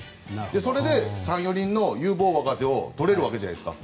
それで３４人の有望枠を取れるわけじゃないですか。